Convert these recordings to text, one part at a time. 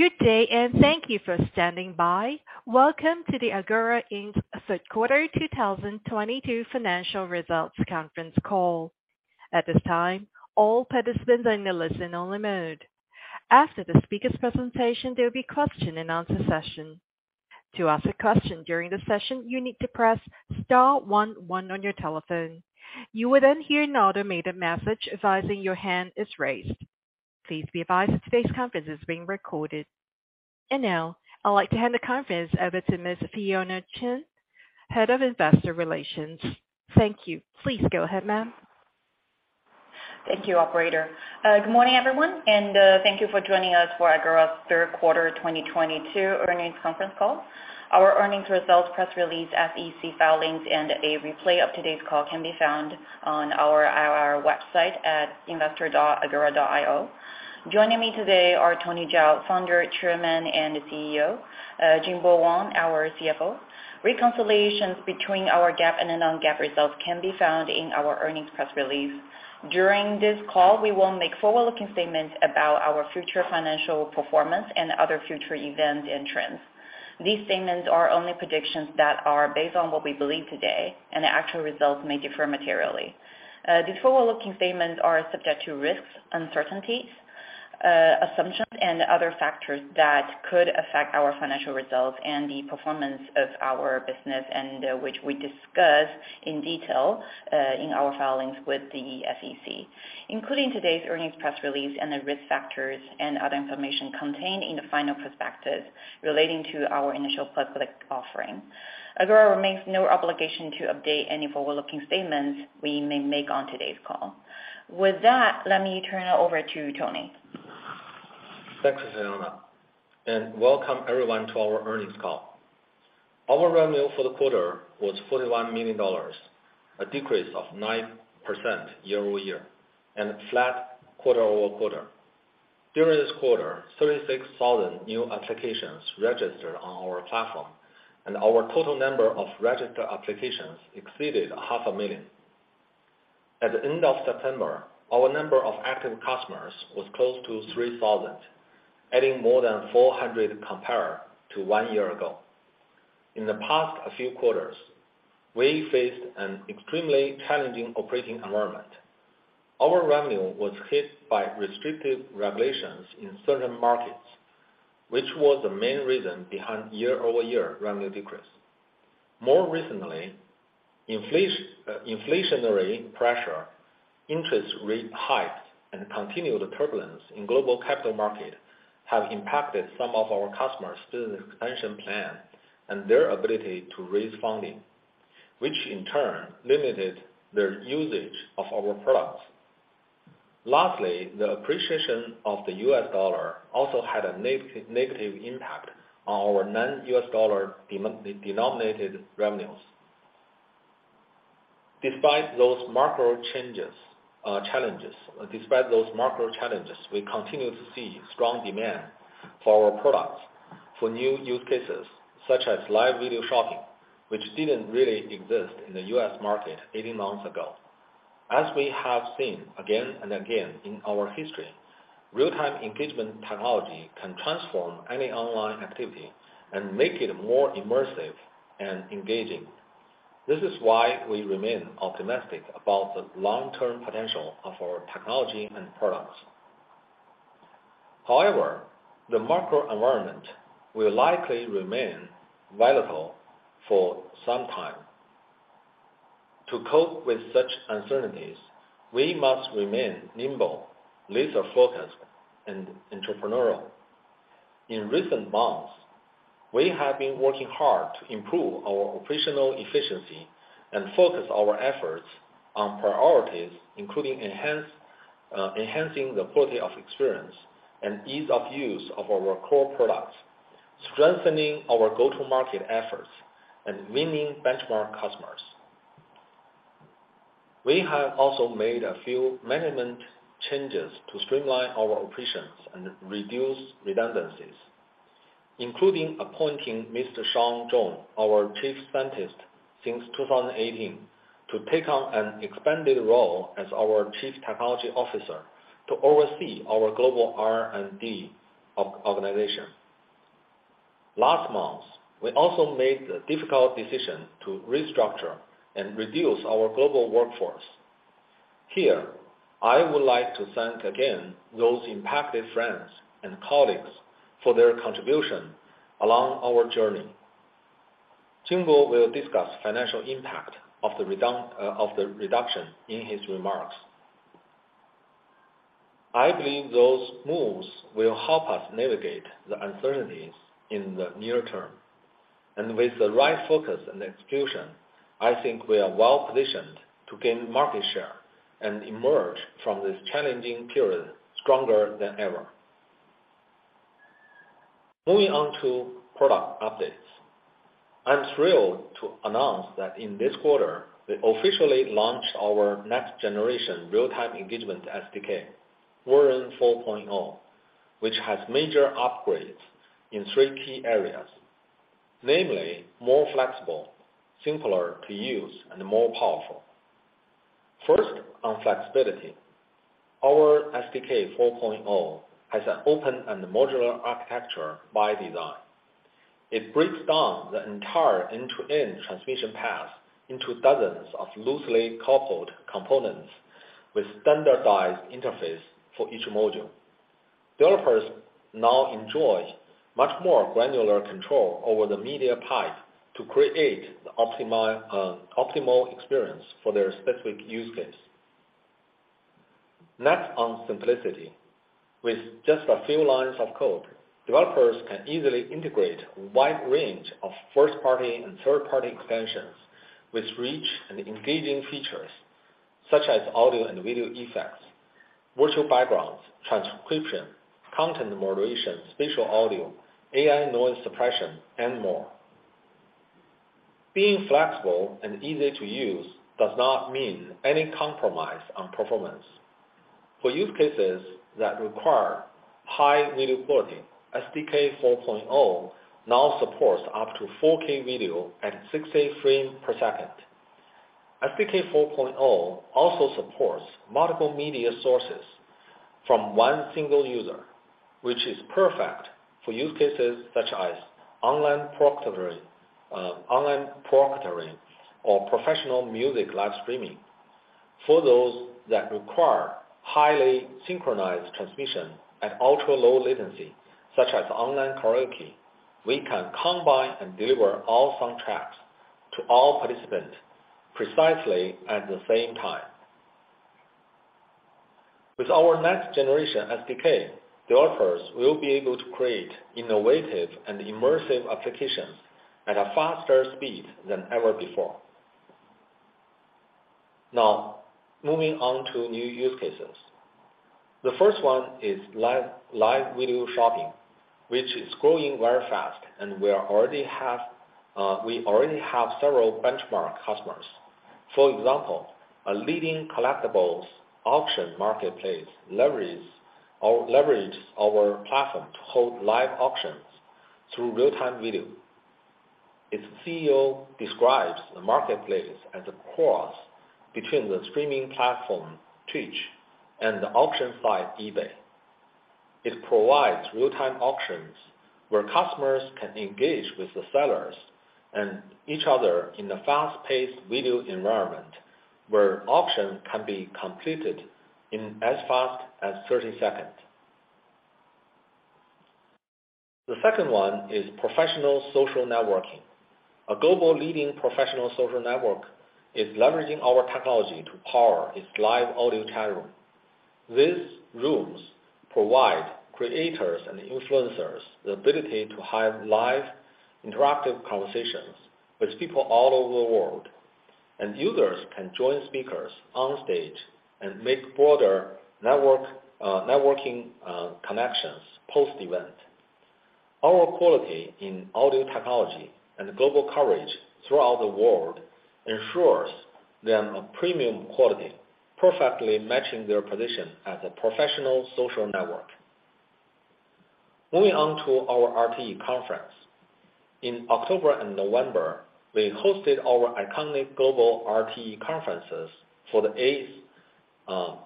Good day. Thank you for standing by. Welcome to the Agora Inc. Third Quarter 2022 Financial Results Conference Call. At this time, all participants are in a listen-only mode. After the speakers presentation, there will be question-and-answer session. To ask a question during the session, you need to press star one one on your telephone. You will hear an automated message advising your hand is raised. Please be advised today's conference is being recorded. Now I'd like to hand the conference over to Ms. Fionna Chen, Head of Investor Relations. Thank you. Please go ahead, Ma'am. Thank you, operator. Good morning, everyone, and thank you for joining us for Agora's third quarter 2022 earnings conference call. Our earnings results press release, SEC filings, and a replay of today's call can be found on our website at investor.agora.io. Joining me today are Tony Zhao, Founder, Chairman, and CEO, and Jingbo Wang, our Chief Financial Officer. Reconciliations between our GAAP and non-GAAP results can be found in our earnings press release. During this call, we will make forward-looking statements about our future financial performance and other future events and trends. These statements are only predictions that are based on what we believe today, and the actual results may differ materially. These forward-looking statements are subject to risks, uncertainties, assumptions, and other factors that could affect our financial results and the performance of our business, which we discuss in detail in our filings with the SEC, including today's earnings press release and the risk factors and other information contained in the final prospectus relating to our initial public offering. Agora remains no obligation to update any forward-looking statements we may make on today's call. With that, let me turn it over to Tony. Thanks, Fionna. Welcome everyone to our earnings call. Our revenue for the quarter was $41 million, a decrease of 9% year-over-year and flat quarter-over-quarter. During this quarter, 36,000 new applications registered on our platform. Our total number of registered applications exceeded half a million. At the end of September, our number of active customers was close to 3,000, adding more than 400 compared to one year ago. In the past few quarters, we faced an extremely challenging operating environment. Our revenue was hit by restrictive regulations in certain markets, which was the main reason behind year-over-year revenue decrease. More recently, inflationary pressure, interest rate hikes, and continued turbulence in global capital market have impacted some of our customers' business expansion plan and their ability to raise funding, which in turn limited their usage of our products. Lastly, the appreciation of the U.S. dollar also had a negative impact on our non-U.S. dollar denominated revenues. Despite those macro challenges, we continue to see strong demand for our products for new use cases such as live video shopping, which didn't really exist in the U.S. market 18 months ago. As we have seen again and again in our history, real-time engagement technology can transform any online activity and make it more immersive and engaging. This is why we remain optimistic about the long-term potential of our technology and products. However, the macro environment will likely remain volatile for some time. To cope with such uncertainties, we must remain nimble, laser-focused, and entrepreneurial. In recent months, we have been working hard to improve our operational efficiency and focus our efforts on priorities, including enhancing the quality of experience and ease of use of our core products, strengthening our go-to-market efforts, and winning benchmark customers. We have also made a few management changes to streamline our operations and reduce redundancies, including appointing Mr. Sheng Zhong, our Chief Scientist since 2018, to take on an expanded role as our Chief Technology Officer to oversee our global R&D organization. Last month, we also made the difficult decision to restructure and reduce our global workforce. Here, I would like to thank again those impacted friends and colleagues for their contribution along our journey. Jingbo will discuss financial impact of the reduction in his remarks. I believe those moves will help us navigate the uncertainties in the near term. With the right focus and execution, I think we are well-positioned to gain market share and emerge from this challenging period stronger than ever. Moving on to product updates. I'm thrilled to announce that in this quarter, we officially launched our next generation real-time engagement SDK 4.0, which has major upgrades in three key areas, namely more flexible, simpler to use, and more powerful. First, on flexibility. Our SDK 4.0 has an open and modular architecture by design. It breaks down the entire end-to-end transmission path into dozens of loosely coupled components with standardized interface for each module. Developers now enjoy much more granular control over the media pipe to create the optimal experience for their specific use case. On simplicity. With just a few lines of code, developers can easily integrate a wide range of first-party and third-party extensions with rich and engaging features, such as audio and video effects, virtual backgrounds, transcription, content moderation, spatial audio, AI noise suppression, and more. Being flexible and easy to use does not mean any compromise on performance. For use cases that require high video quality, SDK 4.0 now supports up to 4K video at 60 fps. SDK 4.0 also supports multiple media sources from one single user, which is perfect for use cases such as online proctoring or professional music live streaming. For those that require highly synchronized transmission at ultra-low latency, such as online karaoke, we can combine and deliver all soundtracks to all participants precisely at the same time. With our next generation SDK, developers will be able to create innovative and immersive applications at a faster speed than ever before. Moving on to new use cases. The first one is live video shopping, which is growing very fast, and we already have several benchmark customers. For example, a leading collectibles auction marketplace leverages our platform to hold live auctions through real-time video. Its CEO describes the marketplace as a cross between the streaming platform Twitch and the auction site eBay. It provides real-time auctions where customers can engage with the sellers and each other in a fast-paced video environment where auction can be completed in as fast as 30 seconds. The second one is professional social networking. A global leading professional social network is leveraging our technology to power its live audio chat room. These rooms provide creators and influencers the ability to have live interactive conversations with people all over the world. Users can join speakers on stage and make broader network networking connections post-event. Our quality in audio technology and global coverage throughout the world ensures them a premium quality, perfectly matching their position as a professional social network. Moving on to our RTE conference. In October and November, we hosted our iconic global RTE conferences for the eighth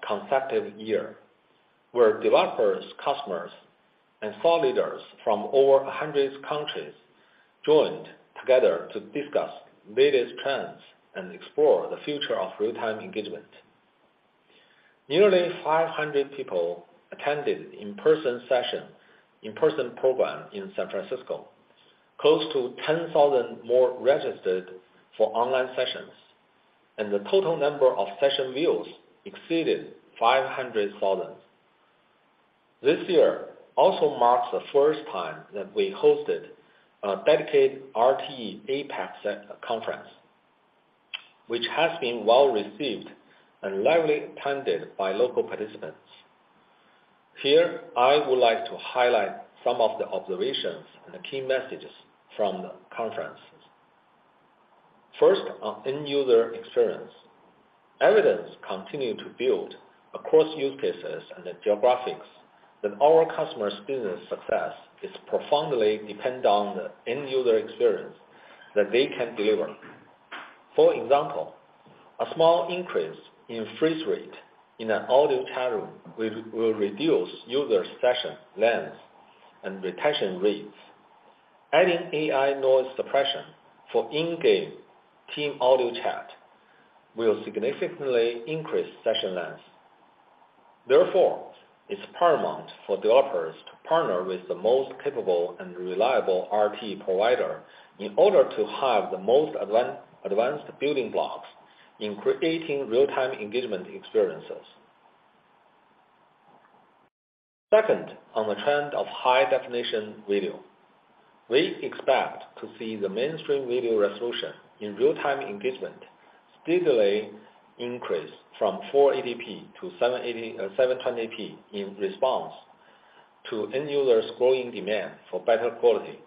consecutive year, where developers, customers, and thought leaders from over 100 countries joined together to discuss latest trends and explore the future of real-time engagement. Nearly 500 people attended in-person session, in-person program in San Francisco. Close to 10,000 more registered for online sessions, and the total number of session views exceeded 500,000. This year also marks the first time that we hosted a dedicated RTE APAC conference, which has been well-received and lively attended by local participants. Here, I would like to highlight some of the observations and the key messages from the conferences. First, on end user experience. Evidence continue to build across use cases and the geographics that our customer's business success is profoundly depend on the end user experience that they can deliver. For example, a small increase in freeze rate in an audio chat room will reduce user session lengths and retention rates. Adding AI Noise Suppression for in-game team audio chat will significantly increase session length. It's paramount for developers to partner with the most capable and reliable RTE provider in order to have the most advanced building blocks in creating real-time engagement experiences. Second, on the trend of high definition video. We expect to see the mainstream video resolution in real-time engagement steadily increase from 480p to 720p in response to end users growing demand for better quality.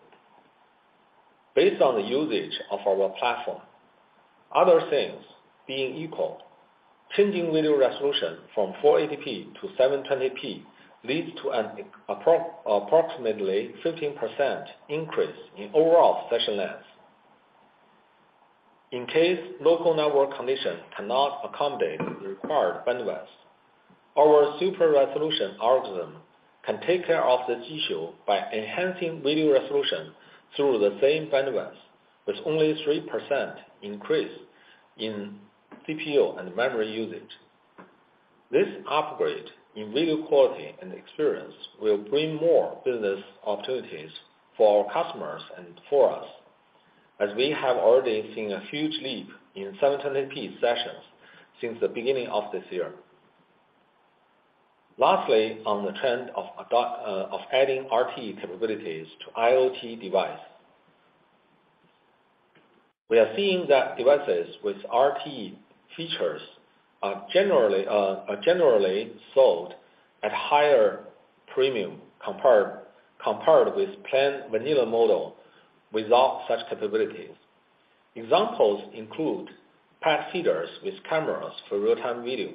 Based on the usage of our platform, other things being equal, changing video resolution from 480p to 720p leads to an approximately 15% increase in overall session length. In case local network condition cannot accommodate the required bandwidth, our Super Resolution algorithm can take care of the issue by enhancing video resolution through the same bandwidth, with only 3% increase in CPU and memory usage. This upgrade in video quality and experience will bring more business opportunities for our customers and for us, as we have already seen a huge leap in 720p sessions since the beginning of this year. Lastly, on the trend of adding RTE capabilities to IoT device. We are seeing that devices with RTE features are generally sold at higher premium compared with plain vanilla model without such capabilities. Examples include pet feeders with cameras for real-time video,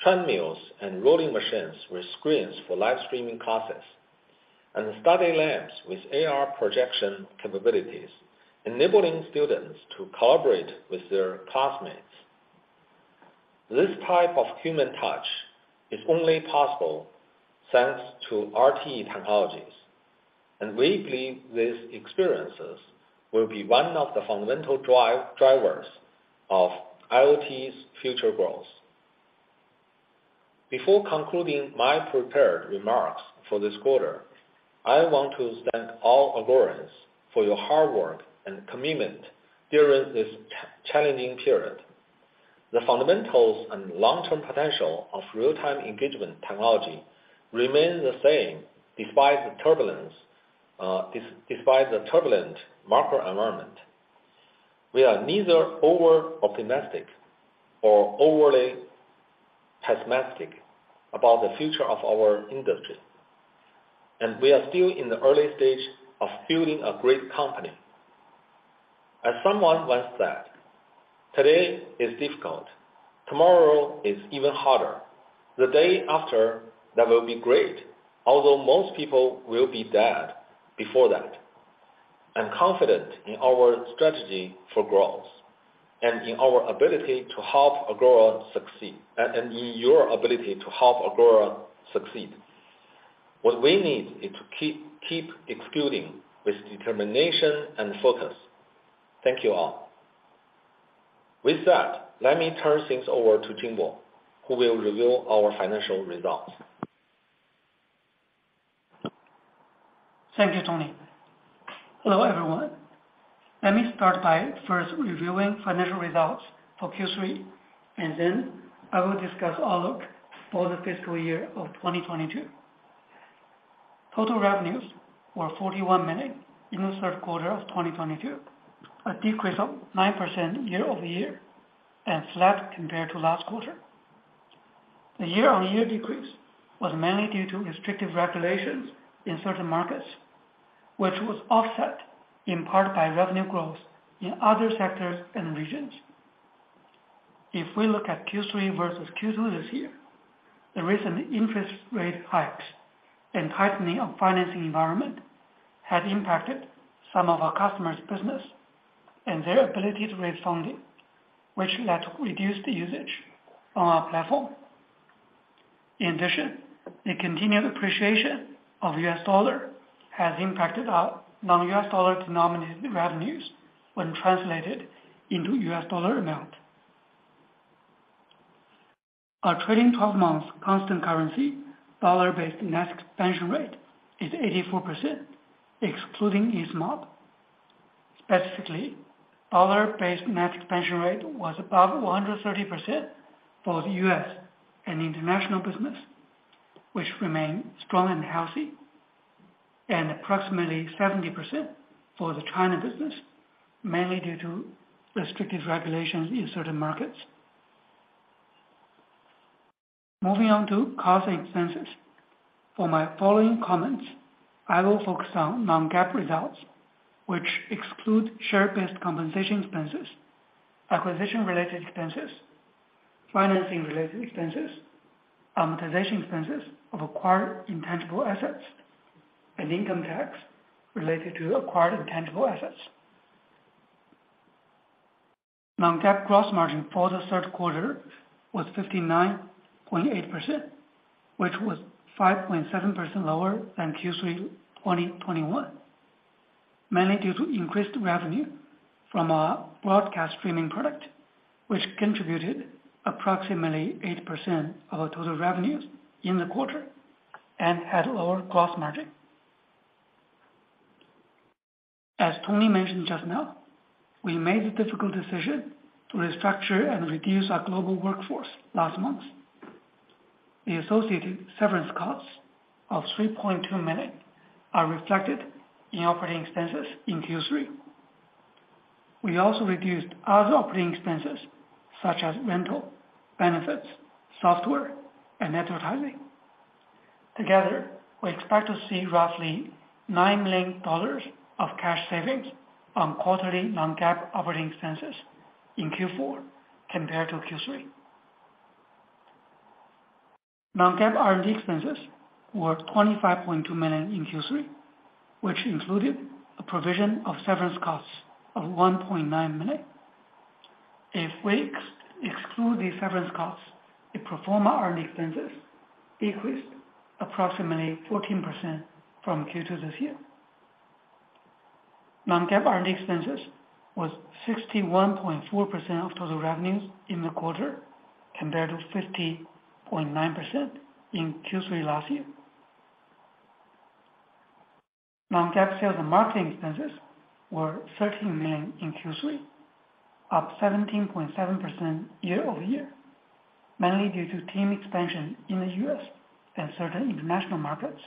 treadmills and rowing machines with screens for live streaming classes, and study lamps with AR projection capabilities, enabling students to collaborate with their classmates. This type of human touch is only possible thanks to RTE technologies, and we believe these experiences will be one of the fundamental drivers of IoT's future growth. Before concluding my prepared remarks for this quarter, I want to thank all Agorans for your hard work and commitment during this challenging period. The fundamentals and long-term potential of real-time engagement technology remains the same despite the turbulence, despite the turbulent market environment. We are neither over-optimistic or overly pessimistic about the future of our industry. We are still in the early stage of building a great company. As someone once said, "Today is difficult. Tomorrow is even harder. The day after that will be great, although most people will be dead before that." I'm confident in our strategy for growth and in our ability to help Agora succeed, and in your ability to help Agora succeed. What we need is to keep executing with determination and focus. Thank you all. With that, let me turn things over to Jingbo, who will reveal our financial results. Thank you, Tony. Hello, everyone. Let me start by first reviewing financial results for Q3, and then I will discuss outlook for the fiscal year of 2022. Total revenues were $41 million in the third quarter of 2022, a decrease of 9% year-over-year, and flat compared to last quarter. The year-over-year decrease was mainly due to restrictive regulations in certain markets, which was offset in part by revenue growth in other sectors and regions. If we look at Q3 versus Q2 this year, the recent interest rate hikes and tightening of financing environment has impacted some of our customers' business and their ability to raise funding, which led to reduced usage on our platform. In addition, the continued appreciation of U.S. dollar has impacted our non-U.S. dollar denominated revenues when translated into U.S. dollar amount. Our trailing 12 months constant currency Dollar-Based Net Expansion Rate is 84%, excluding Easemob. Specifically, Dollar-Based Net Expansion Rate was above 130% for the U.S. and international business, which remained strong and healthy. Approximately 70% for the China business, mainly due to restrictive regulations in certain markets. Moving on to costs and expenses. For my following comments, I will focus on non-GAAP results, which exclude share-based compensation expenses, acquisition-related expenses, financing-related expenses, amortization expenses of acquired intangible assets, and income tax related to acquired intangible assets. non-GAAP gross margin for the third quarter was 59.8%, which was 5.7% lower than Q3 2021, mainly due to increased revenue from our Broadcast Streaming product, which contributed approximately 8% of total revenues in the quarter and had lower gross margin. As Tony mentioned just now, we made the difficult decision to restructure and reduce our global workforce last month. The associated severance costs of $3.2 million are reflected in operating expenses in Q3. We also reduced other operating expenses such as rental, benefits, software, and advertising. Together, we expect to see roughly $9 million of cash savings on quarterly non-GAAP operating expenses in Q4 compared to Q3. Non-GAAP R&D expenses were $25.2 million in Q3, which included a provision of severance costs of $1.9 million. If we exclude these severance costs, the pro forma R&D expenses increased approximately 14% from Q2 this year. Non-GAAP R&D expenses was 61.4% of total revenues in the quarter compared to 50.9% in Q3 last year. Non-GAAP sales and marketing expenses were $13 million in Q3, up 17.7% year-over-year, mainly due to team expansion in the U.S. and certain international markets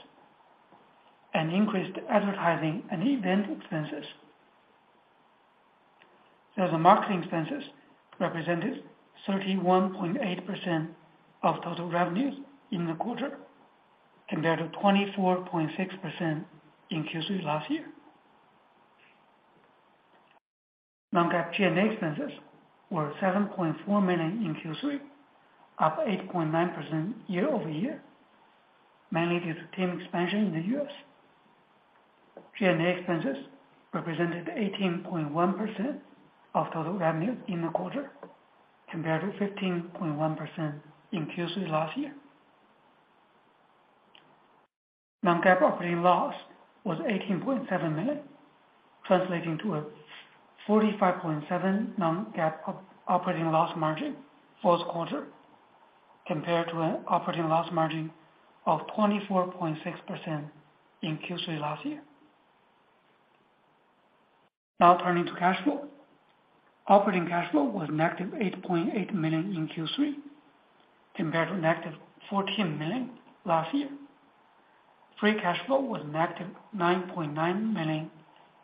and increased advertising and event expenses. Sales and marketing expenses represented 31.8% of total revenues in the quarter compared to 24.6% in Q3 last year. non-GAAP G&A expenses were $7.4 million in Q3, up 8.9% year-over-year, mainly due to team expansion in the U.S. G&A expenses represented 18.1% of total revenue in the quarter compared to 15.1% in Q3 last year. non-GAAP operating loss was $18.7 million, translating to a 45.7% non-GAAP operating loss margin for this quarter compared to an operating loss margin of 24.6% in Q3 last year. Turning to cash flow. Operating cash flow was negative $8.8 million in Q3 compared to negative $14 million last year. Free cash flow was negative $9.9 million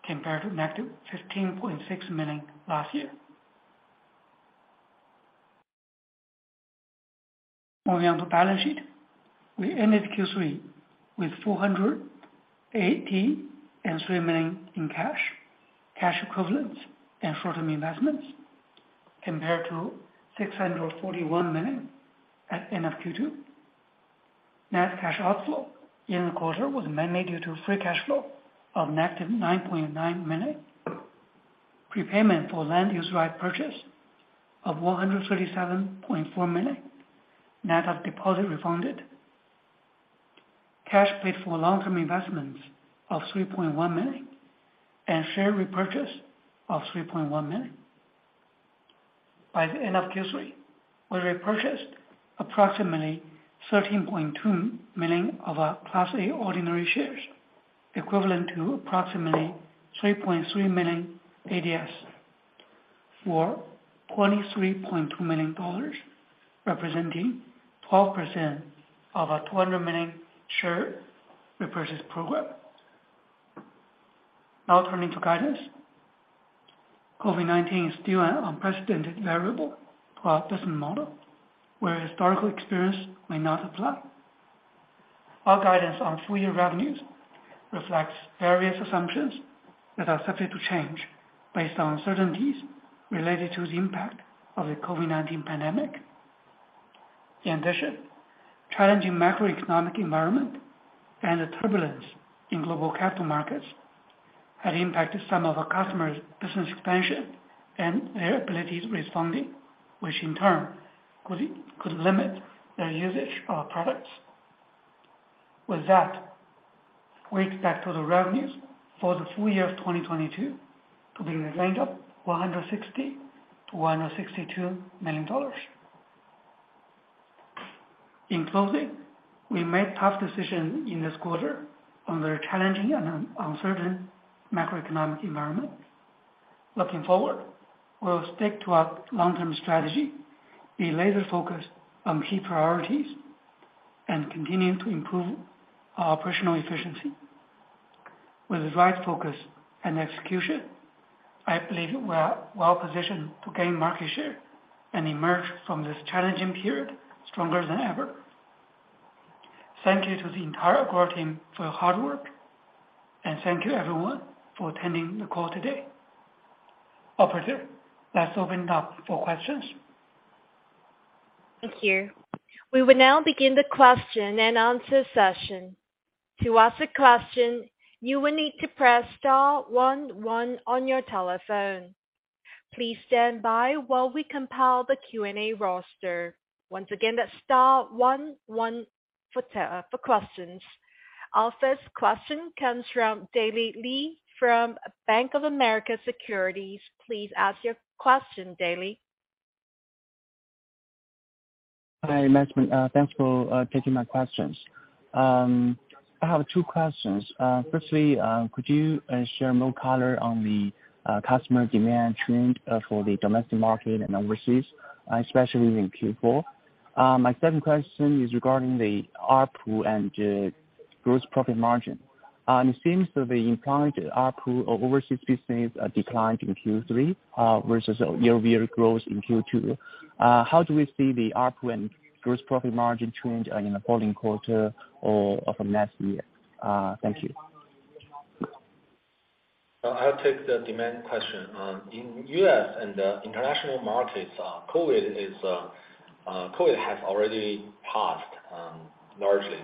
compared to negative $15.6 million last year. Moving on to balance sheet. We ended Q3 with $483 million in cash equivalents and short-term investments compared to $641 million at end of Q2. Net cash outflow in the quarter was mainly due to free cash flow of negative $9.9 million, prepayment for land use right purchase of $137.4 million, net of deposit refunded, cash paid for long-term investments of $3.1 million, and share repurchase of $3.1 million. By the end of Q3, we repurchased approximately 13.2 million of our Class A ordinary shares, equivalent to approximately 3.3 million ADS for $23.2 million, representing 12% of our $200 million share repurchase program. Now turning to guidance. COVID-19 is still an unprecedented variable to our business model, where historical experience may not apply. Our guidance on full year revenues reflects various assumptions that are subject to change based on uncertainties related to the impact of the COVID-19 pandemic. In addition, challenging macroeconomic environment and the turbulence in global capital markets had impacted some of our customers' business expansion and their abilities with funding, which in turn could limit their usage of our products. With that, we expect total revenues for the full year of 2022 to be in the range of $160 million-$162 million. In closing, we made tough decisions in this quarter under a challenging and uncertain macroeconomic environment. Looking forward, we'll stick to our long-term strategy, be laser-focused on key priorities, and continuing to improve our operational efficiency. With the right focus and execution, I believe we are well positioned to gain market share and emerge from this challenging period stronger than ever. Thank you to the entire core team for your hard work. Thank you everyone for attending the call today. Operator, let's open it up for questions. Thank you. We will now begin the question and answer session. To ask a question, you will need to press star one one on your telephone. Please stand by while we compile the Q&A roster. Once again, that's star one one for questions. Our first question comes from Daley Li from Bank of America Securities. Please ask your question, Daley. Hi, management. Thanks for taking my questions. I have two questions. Firstly, could you share more color on the customer demand trend for the domestic market and overseas, especially in Q4? My second question is regarding the ARPU and gross profit margin. It seems that the implied ARPU of overseas business declined in Q3 versus year-over-year growth in Q2. How do we see the ARPU and gross profit margin change in the following quarter or for next year? Thank you. I'll take the demand question. In U.S. and the international markets, COVID has already passed largely.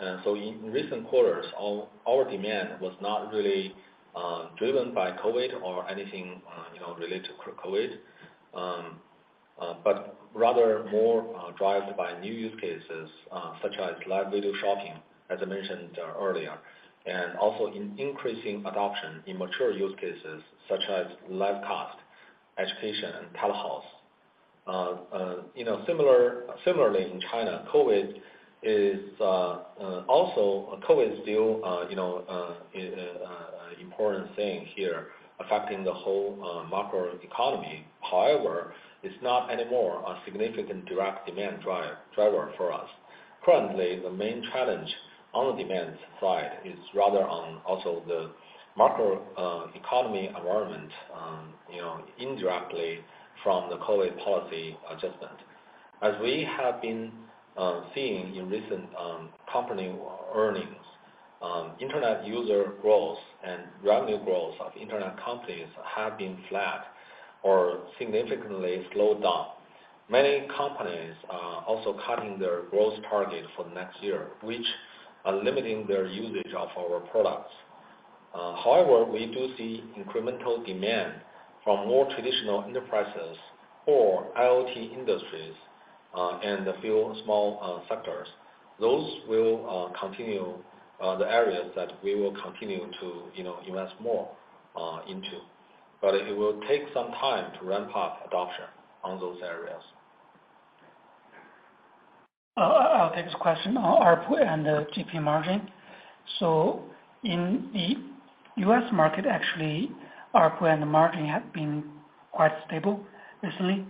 In recent quarters, our demand was not really driven by COVID or anything, you know, related to COVID, but rather more driven by new use cases, such as live video shopping, as I mentioned earlier. Also in increasing adoption in mature use cases such as live cast, education, and tele-health. Similarly in China, also COVID still, you know, is an important thing here affecting the whole macro economy. However, it's not anymore a significant direct demand driver for us. Currently, the main challenge on the demand side is rather on also the macro economy environment, you know, indirectly from the COVID policy adjustment. As we have been seeing in recent company earnings, internet user growth and revenue growth of internet companies have been flat or significantly slowed down. Many companies are also cutting their growth target for next year, which are limiting their usage of our products. However, we do see incremental demand from more traditional enterprises or IoT industries, and a few small sectors. Those will continue the areas that we will continue to, you know, invest more into. It will take some time to ramp up adoption on those areas. I'll take this question on ARPU and the GP margin. In the U.S. market, actually, ARPU and the margin have been quite stable recently.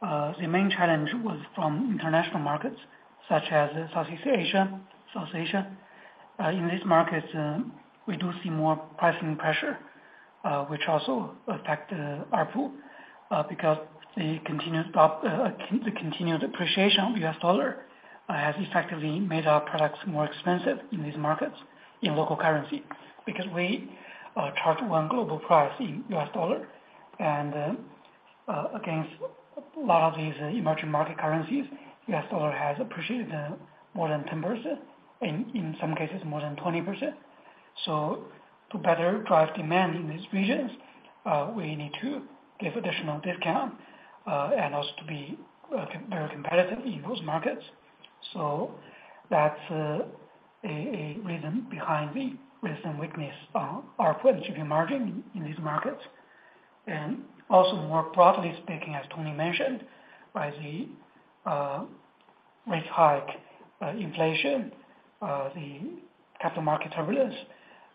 The main challenge was from international markets such as Southeast Asia, South Asia. In these markets, we do see more pricing pressure, which also affect the ARPU. Because the continuous drop, the continued appreciation of U.S. dollar has effectively made our products more expensive in these markets in local currency. Because we charge one global price in U.S. dollar, and against a lot of these emerging market currencies, U.S. dollar has appreciated more than 10%, in some cases more than 20%. To better drive demand in these regions, we need to give additional discount, and also to be very competitive in those markets. That's a reason behind the recent weakness on ARPU and GP margin in these markets. More broadly speaking, as Tony Zhao mentioned, right? The rate hike, inflation, the capital market turbulence,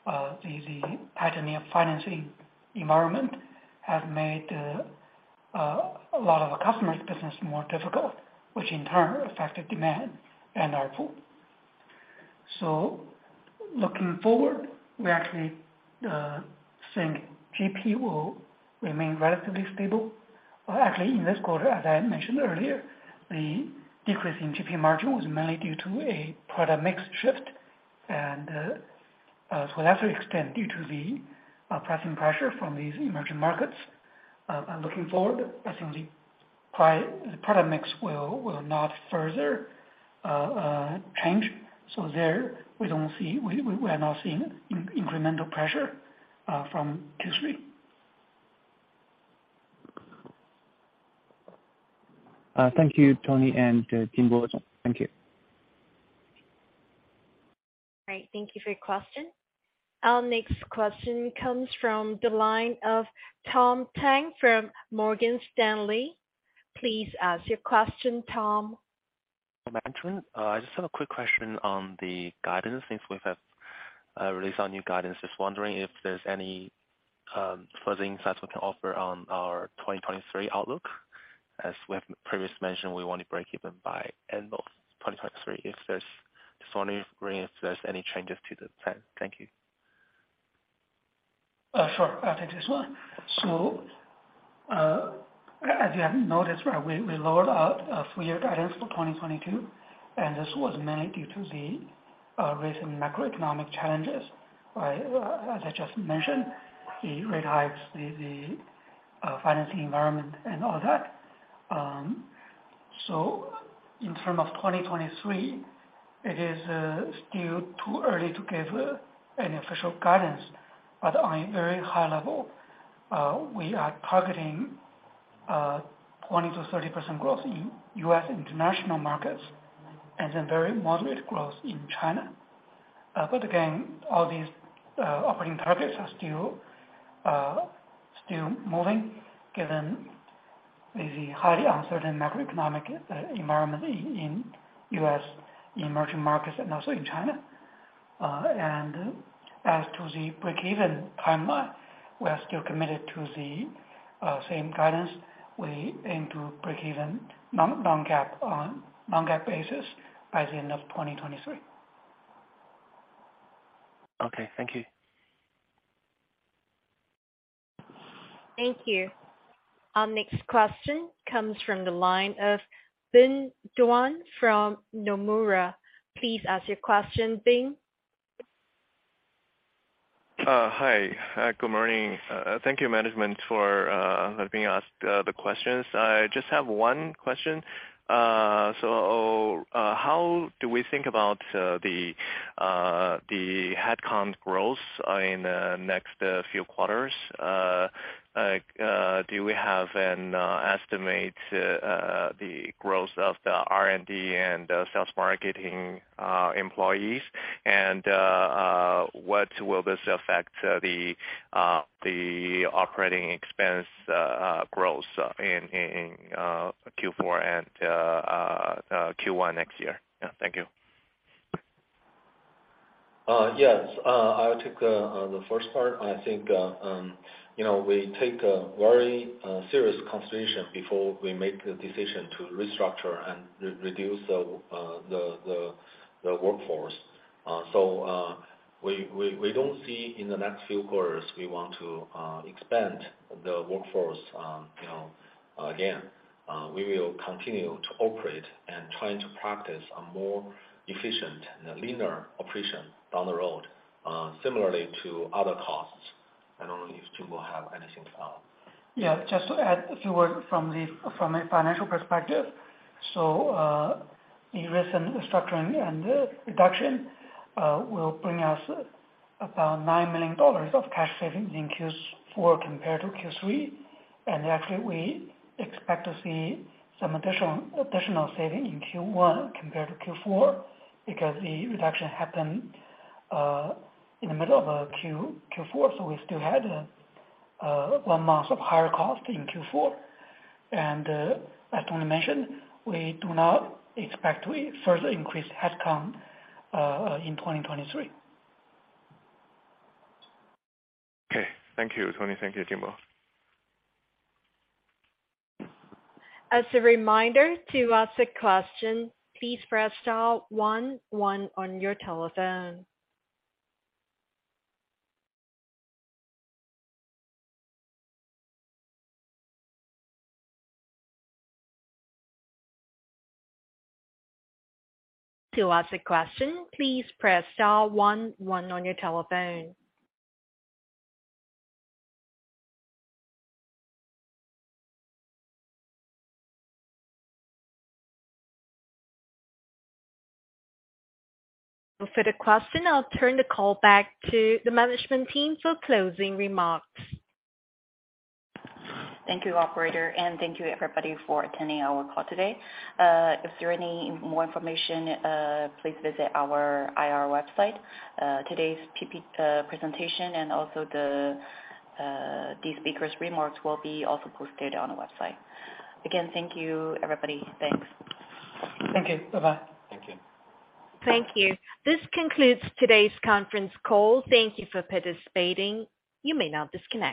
the tightening of financing environment has made a lot of the customers' business more difficult, which in turn affected demand and ARPU. Looking forward, we actually think GP will remain relatively stable. Well, actually, in this quarter, as I mentioned earlier, the decrease in GP margin was mainly due to a product mix shift and to a lesser extent, due to the pricing pressure from these emerging markets. Looking forward, I think the product mix will not further change. There, we don't see we are not seeing incremental pressure from Q3. Thank you, Tony and Jingbo. Thank you. All right. Thank you for your question. Our next question comes from the line of Tom Tang from Morgan Stanley. Please ask your question, Tom. Hi, management. I just have a quick question on the guidance since we've released our new guidance. Just wondering if there's any further insights we can offer on our 2023 outlook. As we have previously mentioned, we want to break even by end of 2023. Just wondering if there's any changes to the plan. Thank you. Sure. I'll take this one. As you have noticed, right, we lowered our full year guidance for 2022, and this was mainly due to the recent macroeconomic challenges, right? As I just mentioned, the rate hikes, the financing environment and all that. In term of 2023, it is still too early to give an official guidance. On a very high level, we are targeting 20%-30% growth in U.S. and international markets, and then very moderate growth in China. Again, all these operating targets are still moving given the highly uncertain macroeconomic environment in U.S., in emerging markets and also in China. As to the break-even timeline, we are still committed to the same guidance. We aim to break even non-GAAP on non-GAAP basis by the end of 2023. Okay. Thank you. Thank you. Our next question comes from the line of Bing Duan from Nomura. Please ask your question, Bing. Hi. Good morning. Thank you management for helping ask the questions. I just have one question. How do we think about the headcounts growth in next few quarters? Do we have an estimate to the growth of the R&D and the sales marketing employees? What will this affect the operating expense growth in Q4 and Q1 next year? Yeah, thank you. Yes. I'll take the first part. I think, you know, we take a very serious consideration before we make the decision to restructure and re-reduce the workforce. We don't see in the next few quarters we want to expand the workforce, you know, again. We will continue to operate and trying to practice a more efficient and linear operation down the road, similarly to other costs. I don't know if Jingbo will have anything to add. Just to add a few words from a financial perspective. The recent restructuring and the reduction will bring us about $9 million of cash savings in Q4 compared to Q3. Actually, we expect to see some additional saving in Q1 compared to Q4, because the reduction happened in the middle of Q4. We still had one month of higher cost in Q4. As Tony mentioned, we do not expect to further increase headcount in 2023. Okay. Thank you, Tony. Thank you, Jingbo. As a reminder, to ask a question, please press star one one on your telephone. To ask a question, please press star one one on your telephone. For the question, I'll turn the call back to the management team for closing remarks. Thank you, operator, and thank you everybody for attending our call today. If there are any more information, please visit our IR website. Today's presentation and also the speakers remarks will be also posted on the website. Thank you, everybody. Thanks. Thank you. Bye-bye. Thank you. Thank you. This concludes today's conference call. Thank you for participating. You may now disconnect.